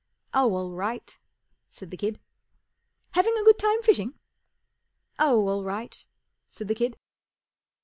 44 Oh, all right," said the kid. 44 Having a good time fishing ?" 44 Oh. all right," said the kid.